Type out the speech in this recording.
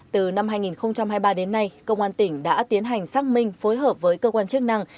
từ năm hai nghìn hai mươi ba đến nay công an tỉnh đã tiến hành xác minh phối hợp với cơ quan chức năng